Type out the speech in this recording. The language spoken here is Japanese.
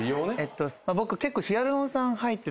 僕結構。